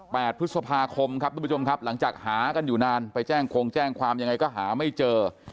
พฤษภาคมครับทุกผู้ชมครับหลังจากหากันอยู่นานไปแจ้งคงแจ้งความยังไงก็หาไม่เจอ